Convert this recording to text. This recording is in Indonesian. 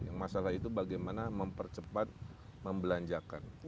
yang masalah itu bagaimana mempercepat membelanjakan